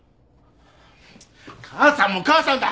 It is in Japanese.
母さんも母さんだ。